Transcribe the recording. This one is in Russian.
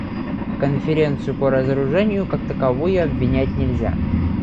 Конференцию по разоружению как таковую обвинять нельзя.